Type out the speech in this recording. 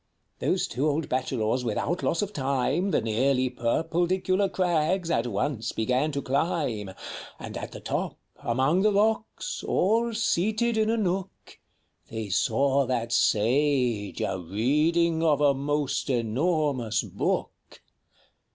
Those two old Bachelors without loss of time The nearly purpledicular crags at once began to climb ; And at the top, among the rocks, all seated in a nook, They saw that Sage a reading of a most enormous book.